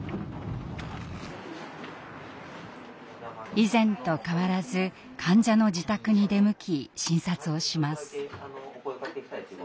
以前と変わらず患者の自宅に出向き診察をします。